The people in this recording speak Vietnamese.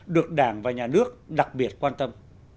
được đảng và nhà nước đặc biệt quan tâm